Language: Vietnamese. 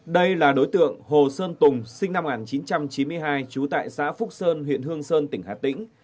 đây là đối tượng hồ sơn tùng sinh năm một nghìn chín trăm chín mươi hai trú tại xã phúc sơn huyện hương sơn tỉnh hà tĩnh